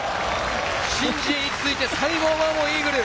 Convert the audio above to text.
申ジエに続いて、西郷真央もイーグル。